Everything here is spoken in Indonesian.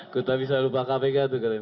gua tak bisa lupa kpk tuh galim